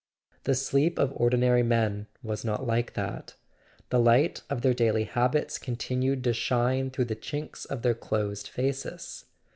The sleep of ordinary men was not like that: the light of their daily habits continued to shine through the chinks of their closed faces.